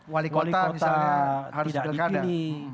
wali kota misalnya harus pilkada